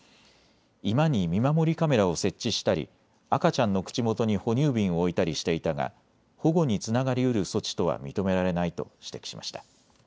居間に見守りカメラを設置したり赤ちゃんの口元に哺乳瓶を置いたりしていたが保護につながりうる措置とは認められないと指摘しました。